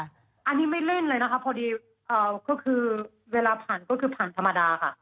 อันนี้ไม่เล่นเลยนะคะพอดีก็คือเวลาผ่านก็คือผ่านธรรมดาค่ะ